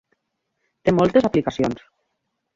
Té moltes aplicacions.